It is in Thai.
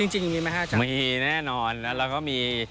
จริงอยู่มั้ยฮะอาจารย์มีแน่นอนและเราก็มี